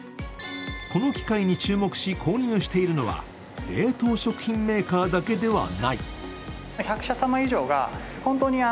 この機械に注目し購入しているのは冷凍食品メーカーだけではない。